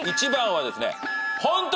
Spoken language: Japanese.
１番はですね。